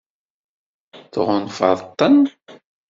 Tɣunfaḍ-ten?